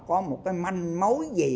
có một cái manh mối gì